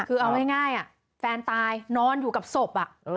คือเอาง่ายแฟนตายนอนอยู่กับศพ